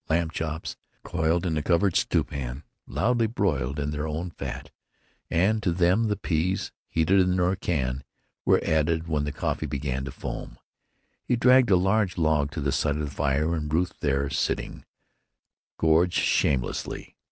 Lamb chops, coiled in the covered stew pan, loudly broiled in their own fat, and to them the peas, heated in their can, were added when the coffee began to foam. He dragged a large log to the side of the fire, and Ruth, there sitting, gorged shamelessly.